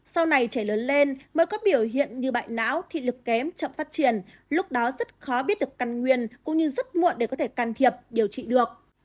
sau này trẻ lớn lên mới có biểu hiện như bại não thị lực kém chậm phát triển lúc đó rất khó biết được căn nguyên cũng như rất muộn để có thể can thiệp điều trị được